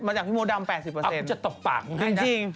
มาจากพี่โมดำ๘๐อ้าวจะตบปากคุณให้นะจริง